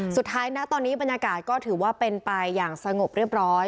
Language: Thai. สุดท้ายนะตอนนี้บรรยากาศก็ถือว่าเป็นไปอย่างสงบเรียบร้อย